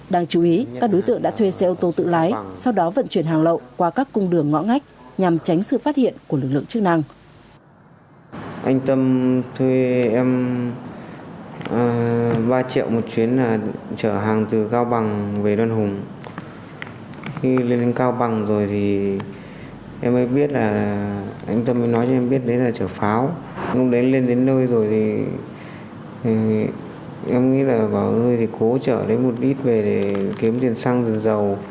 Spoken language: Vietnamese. đang chú ý các đối tượng đã thuê xe ô tô tự lái sau đó vận chuyển hàng lậu qua các cung đường ngõ ngách nhằm tránh sự phát hiện của lực lượng chức năng